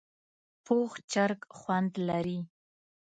پوخ چرګ خوند لري